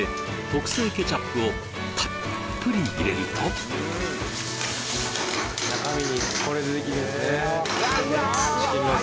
特製ケチャップをたっぷり入れると中身これでできるんですねうわ！